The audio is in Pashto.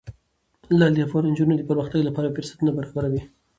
لعل د افغان نجونو د پرمختګ لپاره فرصتونه برابروي.